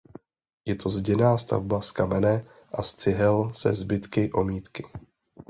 Je to zděná stavba z kamene a z cihel se zbytky omítky.